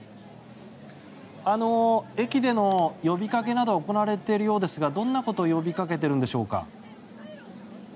駅での呼びかけは行われているようですがどんなことを呼びかけているんでしょうか。